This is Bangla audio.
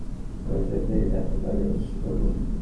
তোমার জন্য এই নাটক, আমি অবশ্যই করবো।